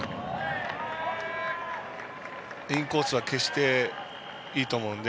インコースは消していいと思うので。